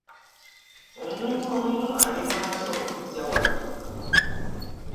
Omuntu omu alemwa atya okujja wano?